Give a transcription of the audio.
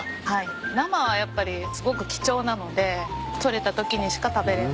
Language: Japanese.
生はやっぱりすごく貴重なので捕れたときにしか食べれない。